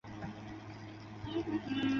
其他主干道有江湾路等。